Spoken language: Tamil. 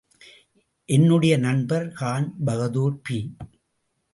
என்னுடைய நண்பர் கான் பகதூர் பி.